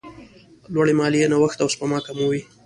لوړې مالیې نوښت او سپما کموي.